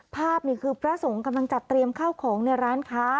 ภาพนี่คือพระสงฆ์กำลังจัดเตรียมข้าวของในร้านค้า